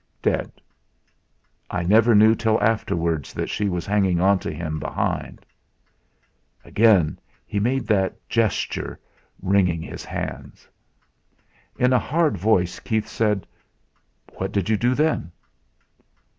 "Dead. I never knew till afterwards that she was hanging on to him behind." Again he made that gesture wringing his hands. In a hard voice Keith said: "What did you do then?"